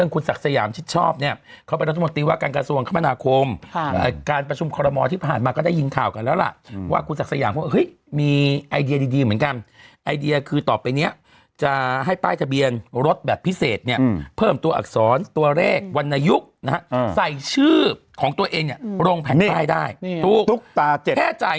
คุณศักดิ์สยามชิดชอบเนี่ยเขาไปรัฐมนตรีว่าการกระทรวงคมนาคมค่ะการประชุมคอลโลมอที่ผ่านมาก็ได้ยินข่าวกันแล้วล่ะอืมว่าคุณศักดิ์สยามพูดว่าเฮ้ยมีไอเดียดีดีเหมือนกันไอเดียคือต่อไปเนี้ยจะให้ป้ายทะเบียนรถแบบพิเศษเนี้ยอืมเพิ่มตัวอักษรตัวเลขวันยุคนะฮ